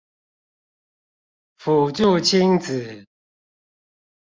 輔助親子